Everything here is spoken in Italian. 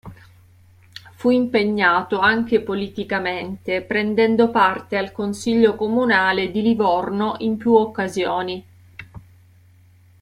Fu impegnato anche politicamente, prendendo parte al consiglio comunale di Livorno in più occasioni.